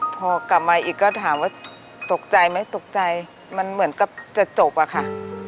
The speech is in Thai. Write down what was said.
พอกลับมาอีกก็ถามว่าตกใจไหมตกใจมันเหมือนกับจะจบอะค่ะ